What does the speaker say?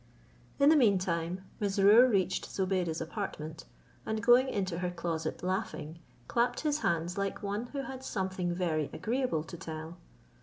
In the mean time, Mesrour reached Zobeide's apartment, and going into her closet laughing, clapped his hands like one who had something very agreeable to tell.